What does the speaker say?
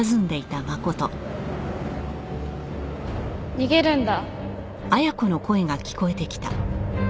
逃げるんだ？